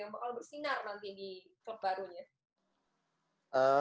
yang bakal bersinar nanti di klub barunya